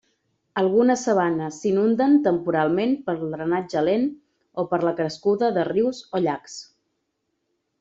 Algunes sabanes s'inunden temporalment pel drenatge lent o per la crescuda de rius o llacs.